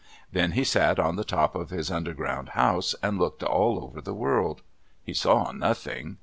Then he sat on the top of his underground house and looked all over the world. He saw nothing.